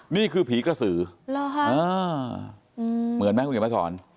นี่คือผีกระสือเหมือนไหมคุณเห็นไหมศร